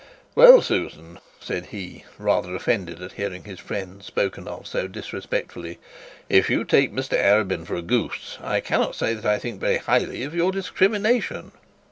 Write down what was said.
'Well, Susan,' said he, rather offended at hearing his friend spoken of so disrespectfully, 'if you take Mr Arabin for a goose, I cannot say that I think very highly of your discrimination.'